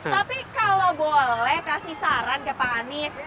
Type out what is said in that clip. tapi kalau boleh kasih saran ke pak anies